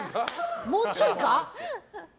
もうちょいかな？